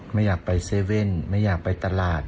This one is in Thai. ไม่อยากไปเซเว่นไม่อยากไปตลาด